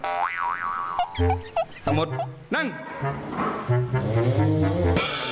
สมมตินั่ง